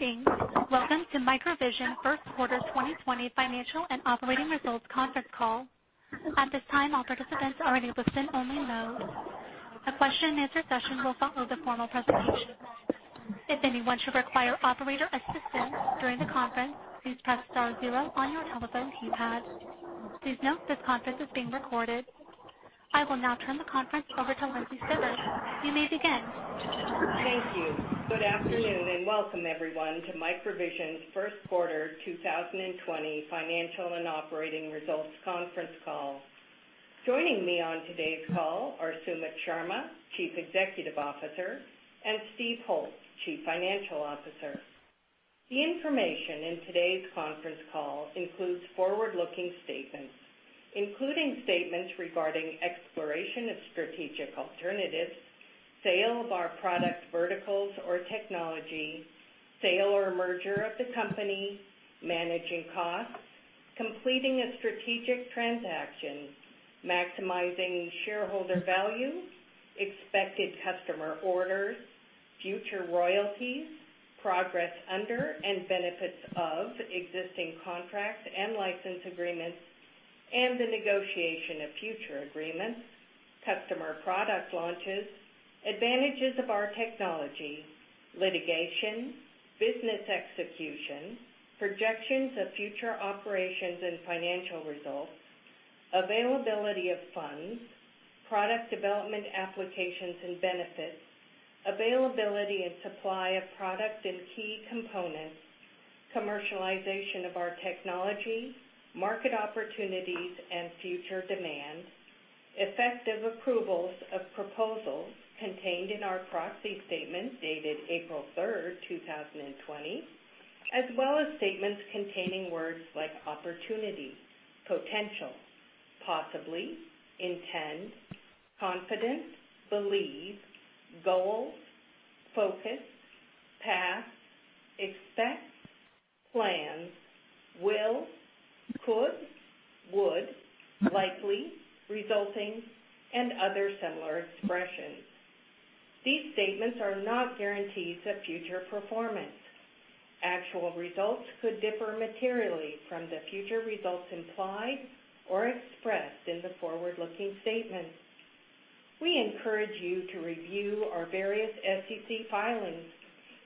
Greetings. Welcome to MicroVision Q1 2020 Financial and Operating Results Conference Call. At this time, all participants are in a listen-only mode. A question and answer session will follow the formal presentation. If anyone should require operator assistance during the conference, please press star zero on your telephone keypad. Please note this conference is being recorded. I will now turn the conference over to Lindsey Stibbard. You may begin. Thank you. Good afternoon, welcome everyone to MicroVision's Q1 2020 financial and operating results conference call. Joining me on today's call are Sumit Sharma, Chief Executive Officer, and Steve Holt, Chief Financial Officer. The information in today's conference call includes forward-looking statements, including statements regarding exploration of strategic alternatives, sale of our product verticals or technology, sale or merger of the company, managing costs, completing a strategic transaction, maximizing shareholder value, expected customer orders, future royalties, progress under and benefits of existing contracts and license agreements, and the negotiation of future agreements, customer product launches, advantages of our technology, litigation, business execution, projections of future operations and financial results, availability of funds, product development applications and benefits, availability and supply of product and key components, commercialization of our technology, market opportunities and future demand, effective approvals of proposals contained in our proxy statement dated April 3rd, 2020, as well as statements containing words like opportunity, potential, possibly, intend, confident, believe, goals, focus, path, expect, plans, will, could, would, likely, resulting, and other similar expressions. These statements are not guarantees of future performance. Actual results could differ materially from the future results implied or expressed in the forward-looking statement. We encourage you to review our various SEC filings,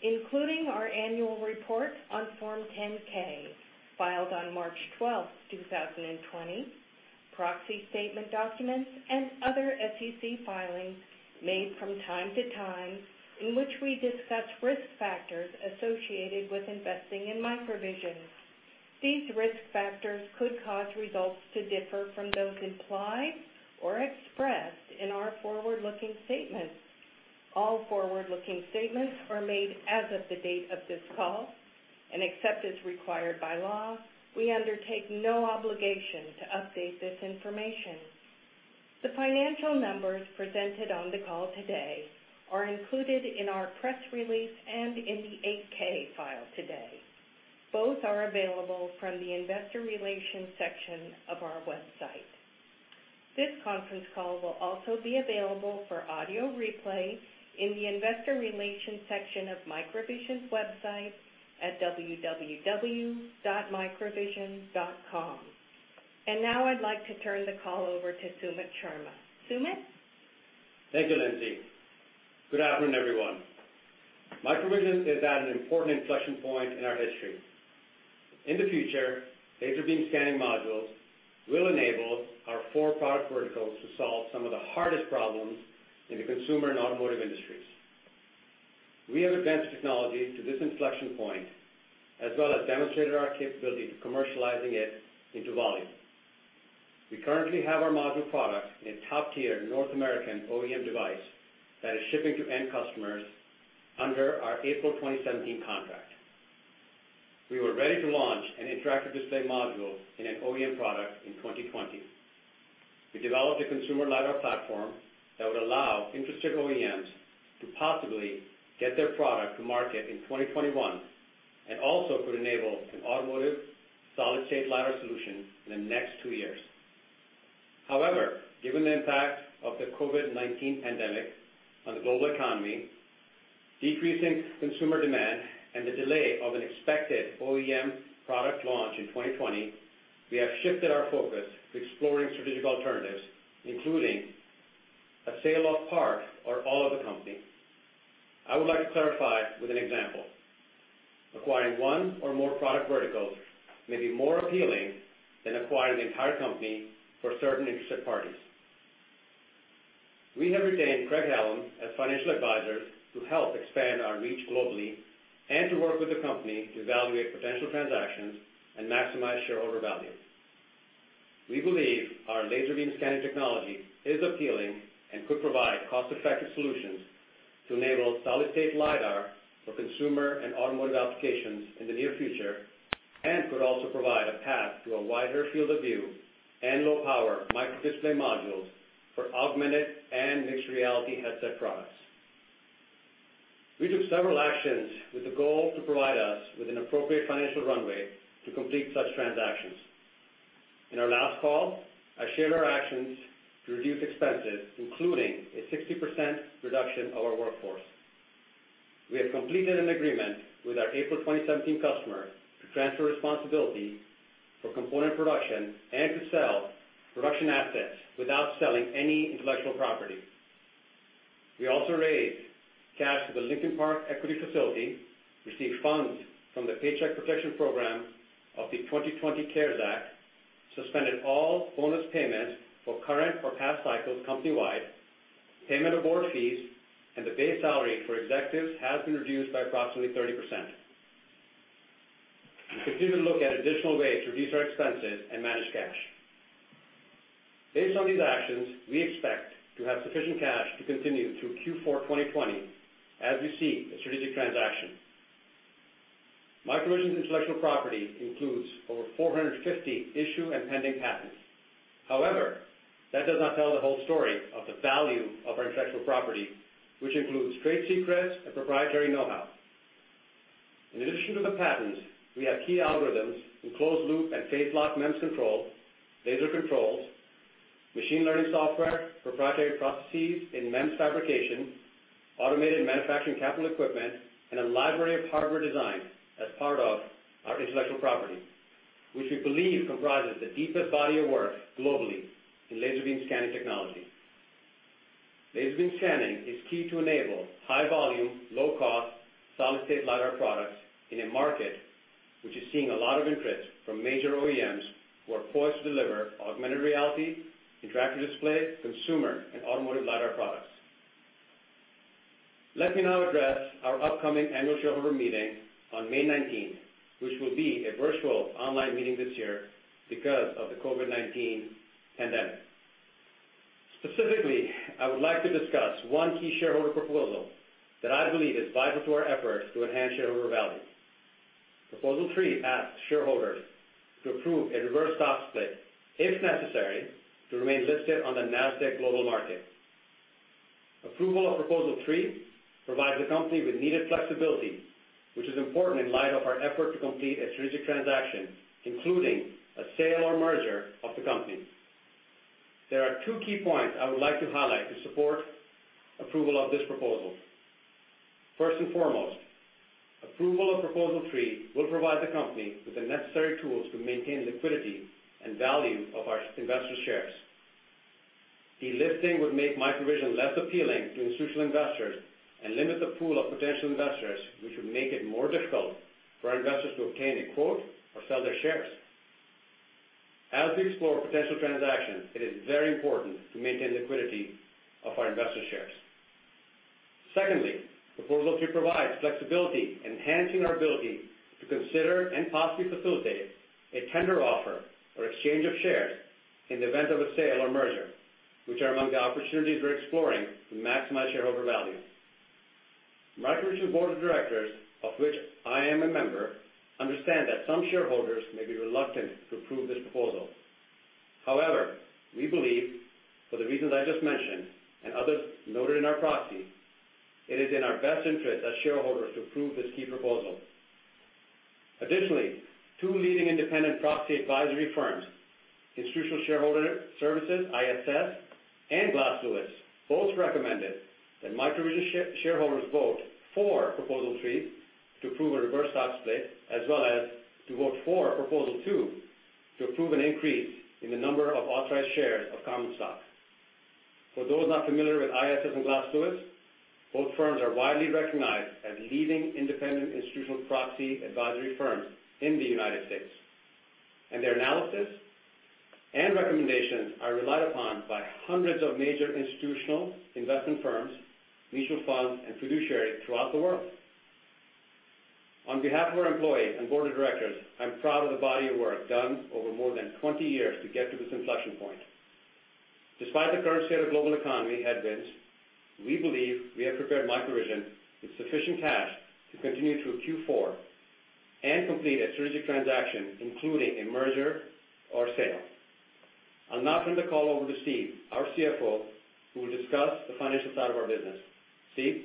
including our annual report on Form 10-K filed on March 12th, 2020, proxy statement documents, and other SEC filings made from time to time in which we discuss risk factors associated with investing in MicroVision. These risk factors could cause results to differ from those implied or expressed in our forward-looking statements. All forward-looking statements are made as of the date of this call, and except as required by law, we undertake no obligation to update this information. The financial numbers presented on the call today are included in our press release and in the 8-K file today. Both are available from the investor relations section of our website. This conference call will also be available for audio replay in the investor relations section of MicroVision's website at www.microvision.com. Now I'd like to turn the call over to Sumit Sharma. Sumit? Thank you, Lindsey. Good afternoon, everyone. MicroVision is at an important inflection point in our history. In the future, laser beam scanning modules will enable our four product verticals to solve some of the hardest problems in the consumer and automotive industries. We have advanced technology to this inflection point, as well as demonstrated our capability to commercializing it into volume. We currently have our module product in a top-tier North American OEM device that is shipping to end customers under our April 2017 contract. We were ready to launch an interactive display module in an OEM product in 2020. We developed a consumer LiDAR platform that would allow interested OEMs to possibly get their product to market in 2021, and also could enable an automotive solid-state LiDAR solution in the next two years. However, given the impact of the COVID-19 pandemic on the global economy, decreasing consumer demand, and the delay of an expected OEM product launch in 2020, we have shifted our focus to exploring strategic alternatives, including a sale of part or all of the company. I would like to clarify with an example. Acquiring one or more product verticals may be more appealing than acquiring the entire company for certain interested parties. We have retained Craig-Hallum as financial advisors to help expand our reach globally and to work with the company to evaluate potential transactions and maximize shareholder value. We believe our laser beam scanning technology is appealing and could provide cost-effective solutions to enable solid-state LiDAR for consumer and automotive applications in the near future, and could also provide a path to a wider field of view and low power micro display modules for augmented and mixed reality headset products. We took several actions with the goal to provide us with an appropriate financial runway to complete such transactions. In our last call, I shared our actions to reduce expenses, including a 60% reduction of our workforce. We have completed an agreement with our April 2017 customer to transfer responsibility for component production and to sell production assets without selling any intellectual property. We also raised cash with the Lincoln Park Equity facility, received funds from the Paycheck Protection Program of the 2020 CARES Act, suspended all bonus payments for current or past cycles company-wide, payment of board fees, and the base salary for executives has been reduced by approximately 30%. We continue to look at additional ways to reduce our expenses and manage cash. Based on these actions, we expect to have sufficient cash to continue through Q4 2020 as we see a strategic transaction. MicroVision's intellectual property includes over 450 issued and pending patents. However, that does not tell the whole story of the value of our intellectual property, which includes trade secrets and proprietary knowhow. In addition to the patents, we have key algorithms in closed-loop and phase-locked MEMS control, laser controls, machine learning software, proprietary processes in MEMS fabrication, automated manufacturing capital equipment, and a library of hardware designs as part of our intellectual property, which we believe comprises the deepest body of work globally in laser beam scanning technology. Laser beam scanning is key to enable high volume, low cost, solid-state LiDAR products in a market which is seeing a lot of interest from major OEMs who are poised to deliver augmented reality, interactive display, consumer and automotive LiDAR products. Let me now address our upcoming annual shareholder meeting on May 19th, which will be a virtual online meeting this year because of the COVID-19 pandemic. Specifically, I would like to discuss one key shareholder proposal that I believe is vital to our efforts to enhance shareholder value. Proposal three asks shareholders to approve a reverse stock split, if necessary, to remain listed on the Nasdaq Global Market. Approval of proposal three provides the company with needed flexibility, which is important in light of our effort to complete a strategic transaction, including a sale or merger of the company. There are two key points I would like to highlight to support approval of this proposal. First and foremost, approval of proposal three will provide the company with the necessary tools to maintain liquidity and value of our investor shares. Delisting would make MicroVision less appealing to institutional investors and limit the pool of potential investors, which would make it more difficult for our investors to obtain a quote or sell their shares. As we explore potential transactions, it is very important to maintain liquidity of our investor shares. Secondly, proposal three provides flexibility, enhancing our ability to consider and possibly facilitate a tender offer or exchange of shares in the event of a sale or merger, which are among the opportunities we're exploring to maximize shareholder value. MicroVision board of directors, of which I am a member, understand that some shareholders may be reluctant to approve this proposal. However, we believe, for the reasons I just mentioned and others noted in our proxy, it is in our best interest as shareholders to approve this key proposal. Additionally, two leading independent proxy advisory firms, Institutional Shareholder Services, ISS, and Glass Lewis, both recommended that MicroVision shareholders vote for proposal three to approve a reverse stock split, as well as to vote for proposal two to approve an increase in the number of authorized shares of common stock. For those not familiar with ISS and Glass Lewis, both firms are widely recognized as leading independent institutional proxy advisory firms in the United States, and their analysis and recommendations are relied upon by hundreds of major institutional investment firms, mutual funds, and fiduciaries throughout the world. On behalf of our employees and board of directors, I'm proud of the body of work done over more than 20 years to get to this inflection point. Despite the current state of global economy headwinds, we believe we have prepared MicroVision with sufficient cash to continue through Q4 and complete a strategic transaction, including a merger or sale. I'll now turn the call over to Steve, our CFO, who will discuss the financial side of our business. Steve?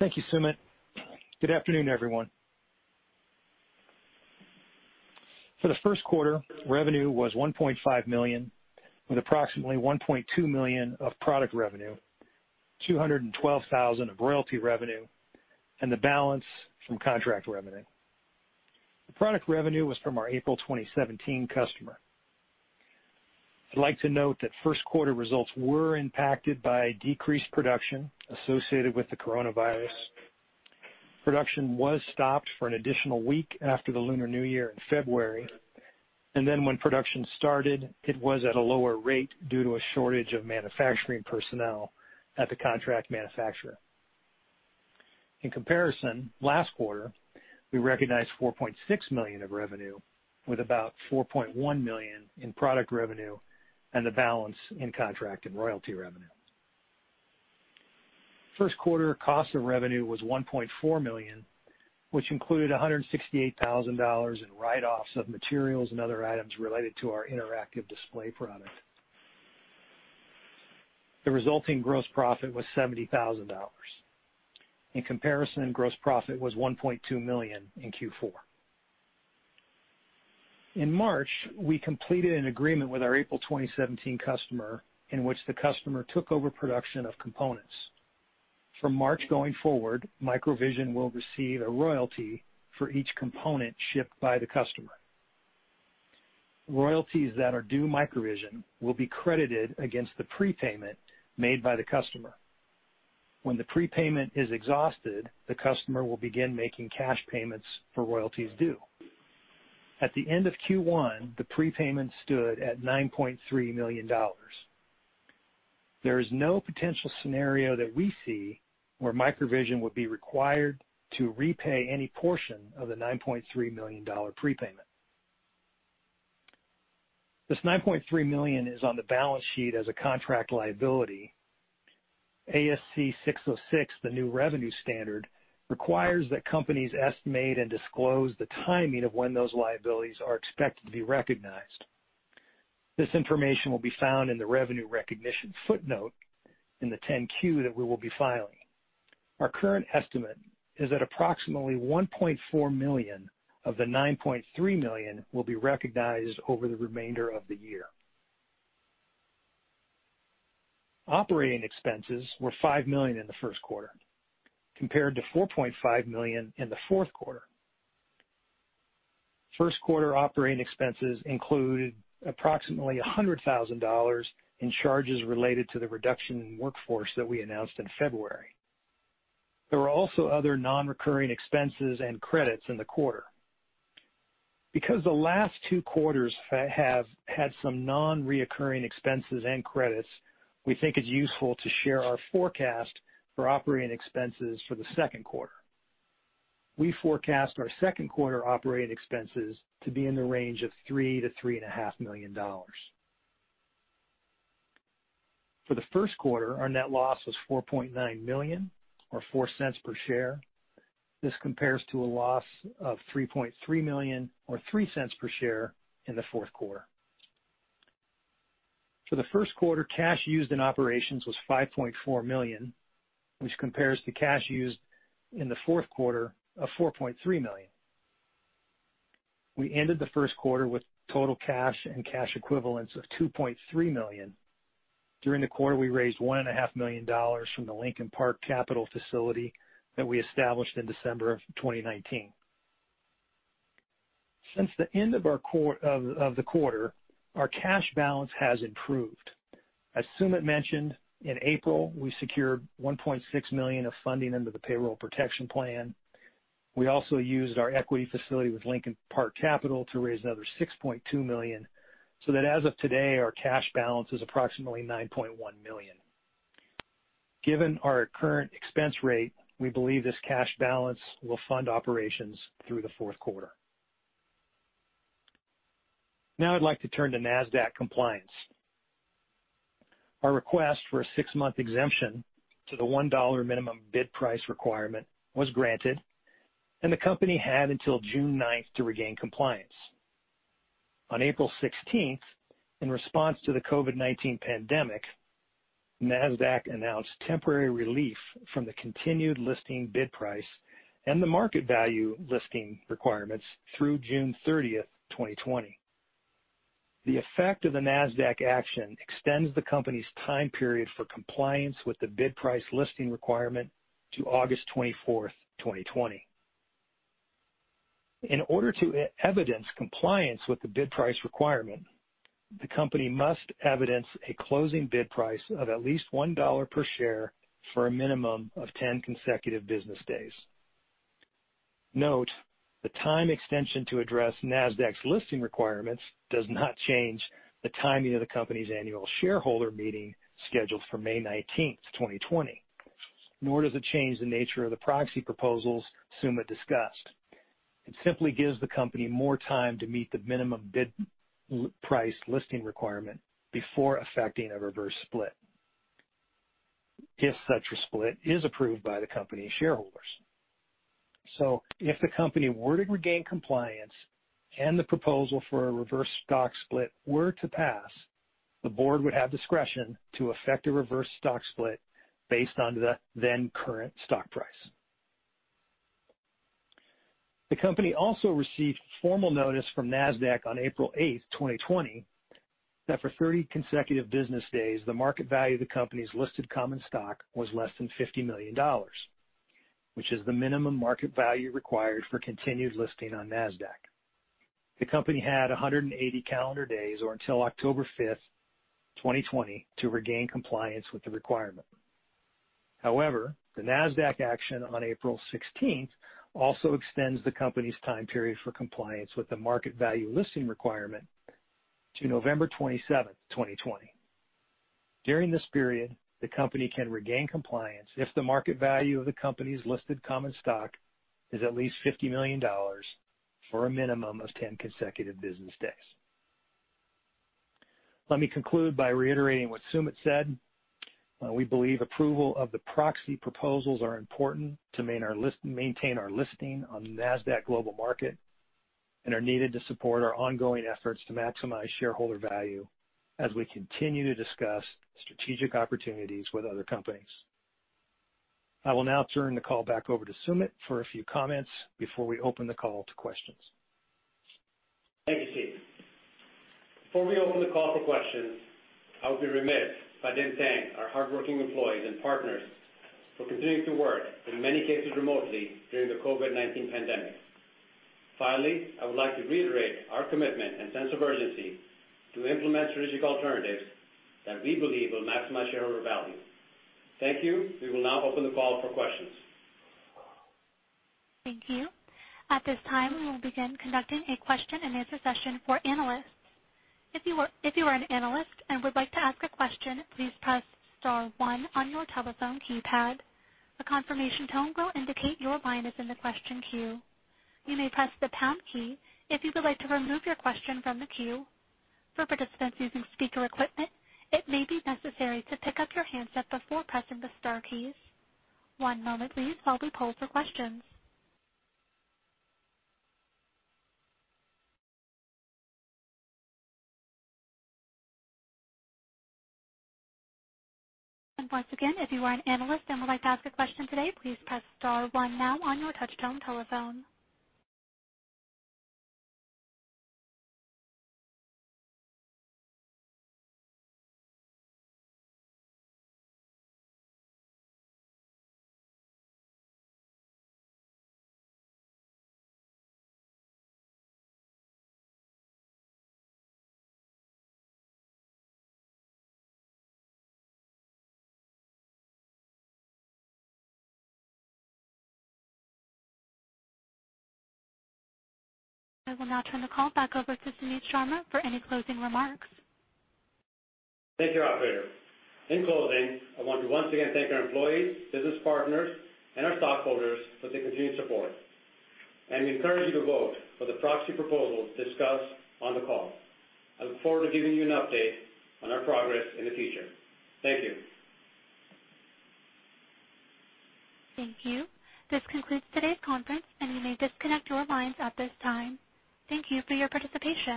Thank you, Sumit. Good afternoon, everyone. For the Q1, revenue was $1.5 million, with approximately $1.2 million of product revenue, $212,000 of royalty revenue, and the balance from contract revenue. The product revenue was from our April 2017 customer. I'd like to note that Q1 results were impacted by decreased production associated with the coronavirus. Production was stopped for an additional week after the Lunar New Year in February, and then when production started, it was at a lower rate due to a shortage of manufacturing personnel at the contract manufacturer. In comparison, last quarter, we recognized $4.6 million of revenue, with about $4.1 million in product revenue and the balance in contract and royalty revenue. Q1 cost of revenue was $1.4 million, which included $168,000 in write-offs of materials and other items related to our interactive display product. The resulting gross profit was $70,000. In comparison, gross profit was $1.2 million in Q4. In March, we completed an agreement with our April 2017 customer in which the customer took over production of components. From March going forward, MicroVision will receive a royalty for each component shipped by the customer. Royalties that are due MicroVision will be credited against the prepayment made by the customer. When the prepayment is exhausted, the customer will begin making cash payments for royalties due. At the end of Q1, the prepayment stood at $9.3 million. There is no potential scenario that we see where MicroVision would be required to repay any portion of the $9.3 million prepayment. This $9.3 million is on the balance sheet as a contract liability. ASC 606, the new revenue standard, requires that companies estimate and disclose the timing of when those liabilities are expected to be recognized. This information will be found in the revenue recognition footnote in the 10-Q that we will be filing. Our current estimate is that approximately $1.4 million of the $9.3 million will be recognized over the remainder of the year. Operating expenses were $5 million in the Q1 compared to $4.5 million in the Q4. Q1 operating expenses included approximately $100,000 in charges related to the reduction in workforce that we announced in February. There were also other non-recurring expenses and credits in the quarter. Because the last two quarters have had some non-recurring expenses and credits, we think it's useful to share our forecast for operating expenses for the Q2. We forecast our Q2 operating expenses to be in the range of $3 million-$3.5 million. For the Q1, our net loss was $4.9 million or $0.04 per share. This compares to a loss of $3.3 million or $0.03 per share in the Q4. For the Q1, cash used in operations was $5.4 million, which compares to cash used in the Q4 of $4.3 million. We ended the Q1 with total cash and cash equivalents of $2.3 million. During the quarter, we raised $1.5 million from the Lincoln Park Capital facility that we established in December of 2019. Since the end of the quarter, our cash balance has improved. As Sumit mentioned, in April, we secured $1.6 million of funding under the Paycheck Protection Program. We also used our equity facility with Lincoln Park Capital to raise another $6.2 million, so that as of today, our cash balance is approximately $9.1 million. Given our current expense rate, we believe this cash balance will fund operations through the Q4. Now I'd like to turn to Nasdaq compliance. Our request for a six-month exemption to the $1 minimum bid price requirement was granted, and the company had until June 9th to regain compliance. On April 16th, in response to the COVID-19 pandemic, Nasdaq announced temporary relief from the continued listing bid price and the market value listing requirements through June 30th, 2020. The effect of the Nasdaq action extends the company's time period for compliance with the bid price listing requirement to August 24th, 2020. In order to evidence compliance with the bid price requirement, the company must evidence a closing bid price of at least $1 per share for a minimum of 10 consecutive business days. Note, the time extension to address Nasdaq's listing requirements does not change the timing of the company's annual shareholder meeting scheduled for May 19th, 2020, nor does it change the nature of the proxy proposals Sumit discussed. It simply gives the company more time to meet the minimum bid price listing requirement before effecting a reverse split if such a split is approved by the company shareholders. If the company were to regain compliance and the proposal for a reverse stock split were to pass, the board would have discretion to effect a reverse stock split based on the then current stock price. The company also received formal notice from Nasdaq on April 8th, 2020 that for 30 consecutive business days, the market value of the company's listed common stock was less than $50 million, which is the minimum market value required for continued listing on Nasdaq. The company had 180 calendar days or until October 5th, 2020, to regain compliance with the requirement. However, the Nasdaq action on April 16th also extends the company's time period for compliance with the market value listing requirement to November 27th, 2020. During this period, the company can regain compliance if the market value of the company's listed common stock is at least $50 million for a minimum of 10 consecutive business days. Let me conclude by reiterating what Sumit said. We believe approval of the proxy proposals are important to maintain our listing on the Nasdaq Global Market. Are needed to support our ongoing efforts to maximize shareholder value as we continue to discuss strategic opportunities with other companies. I will now turn the call back over to Sumit for a few comments before we open the call to questions. Thank you, Steve. Before we open the call for questions, I would be remiss if I didn't thank our hardworking employees and partners for continuing to work, in many cases, remotely during the COVID-19 pandemic. Finally, I would like to reiterate our commitment and sense of urgency to implement strategic alternatives that we believe will maximize shareholder value. Thank you. We will now open the call for questions. Thank you. At this time, we will begin conducting a question and answer session for analysts. If you are an analyst and would like to ask a question, please press star one on your telephone keypad. A confirmation tone will indicate your line is in the question queue. You may press the pound key if you would like to remove your question from the queue. For participants using speaker equipment, it may be necessary to pick up your handset before pressing the star keys. One moment please while we poll for questions. Once again, if you are an analyst and would like to ask a question today, please press star one now on your touchtone telephone. I will now turn the call back over to Sumit Sharma for any closing remarks. Thank you, operator. In closing, I want to once again thank our employees, business partners, and our stockholders for their continued support. We encourage you to vote for the proxy proposal discussed on the call. I look forward to giving you an update on our progress in the future. Thank you. Thank you. This concludes today's conference, and you may disconnect your lines at this time. Thank you for your participation.